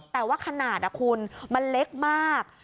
แต่ว่าขนาดคุณมันเล็กมาก